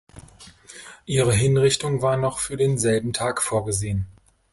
Ihre Hinrichtung war noch für den selben Tag vorgesehen.